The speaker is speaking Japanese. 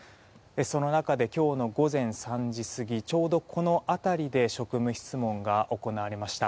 その中で今日の午前３時過ぎちょうどこの辺りで職務質問が行われました。